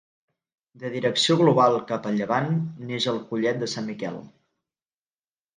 De direcció global cap a llevant, neix al Collet de Sant Miquel.